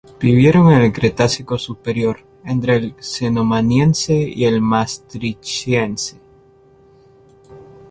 Vivieron en el Cretácico Superior, entre el Cenomaniense y el Maastrichtiense.